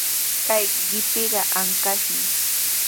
Kay qipiqa ankashmi.